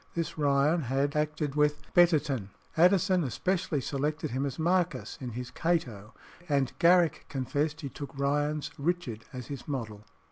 This Ryan had acted with Betterton. Addison especially selected him as Marcus in his "Cato," and Garrick confessed he took Ryan's Richard as his model.